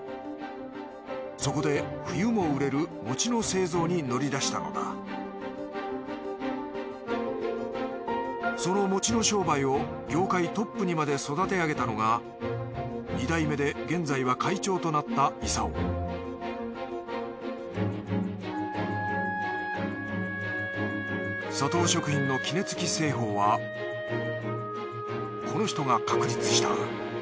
そこで冬も売れる餅の製造に乗り出したのだその餅の商売を業界トップにまで育てあげたのが２代目で現在は会長となった功サトウ食品の杵つき製法はこの人が確立した